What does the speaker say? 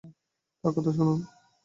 তার কথা শুনুন!